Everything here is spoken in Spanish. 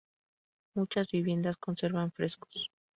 Muchas viviendas conservan frescos.